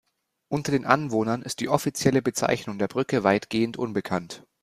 Unter den Anwohnern ist die offizielle Bezeichnung der Brücke weitgehend unbekannt.